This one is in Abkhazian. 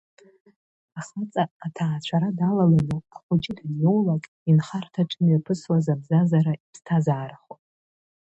Ахаҵа, аҭаацәара далаланы, ахәыҷы даниоулак, инхарҭаҿ имҩаԥысуаз абзазара иԥсҭазаарахон.